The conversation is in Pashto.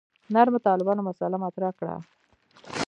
نرمو طالبانو مسأله مطرح کړه.